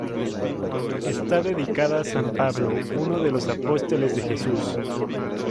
Está dedicada a San Pablo uno de los apóstoles de Jesús.